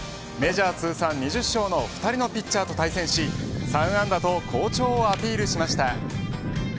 メジャー通算２０勝をほこる２人のピッチャーと対戦し３安打と好調をアピールしました。